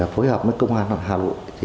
phối hợp với công an hà nội